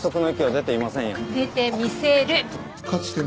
出てみせる。